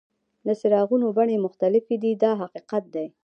د څراغونو بڼې مختلفې دي دا حقیقت دی.